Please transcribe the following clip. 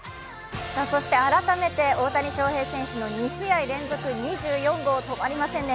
改めて大谷翔平選手の２試合連続２４号、止まりませんね。